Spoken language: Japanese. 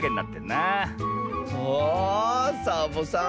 あサボさん